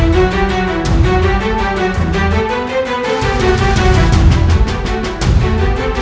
jatuh di untung